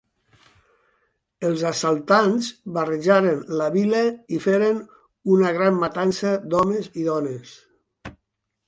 Els assaltants barrejaren la vila i feren una gran matança d'homes i dones.